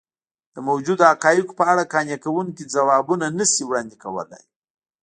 د موجودو حقایقو په اړه قانع کوونکي ځوابونه نه شي وړاندې کولی.